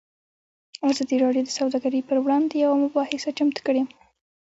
ازادي راډیو د سوداګري پر وړاندې یوه مباحثه چمتو کړې.